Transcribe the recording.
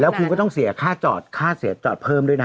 คุณก็ต้องเสียค่าจอดค่าเสียจอดเพิ่มด้วยนะ